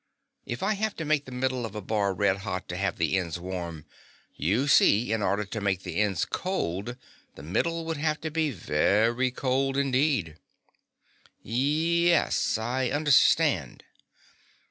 If I have to make the middle of a bar red hot to have the ends warm, you see in order to make the ends cold the middle would have to be very cold indeed." "Y yes, I understand."